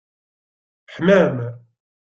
Teḥmam!